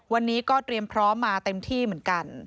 วันนี้ก็เตรียมพร้อมมาเต็มที่เหมือนกัน